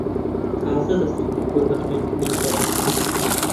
تازە دەستم کردووە بە خوێندنی فەڕەنسی.